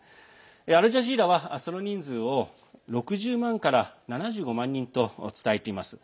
アルジャジーラはその人数を６０万から７５万人と伝えています。